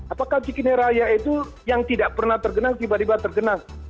apakah cikini raya itu yang tidak pernah tergenang tiba tiba tergenang